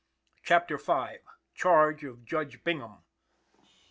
CHAPTER V. CHARGE OF JUDGE BINGHAM.